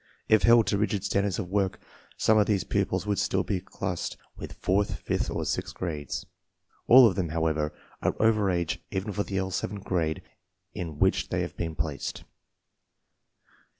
If held to rigid standards of work, some of these pupils would still be classed with fourth, fifth, or sixth grades. All of them, however, are over age even for the L 7 grade in which they have been placed.